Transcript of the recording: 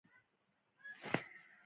له خونې مې راوتلو ته زړه نه کیده.